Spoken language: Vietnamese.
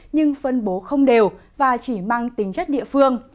nhưng phân bố không đều và chỉ mang tính chất địa phương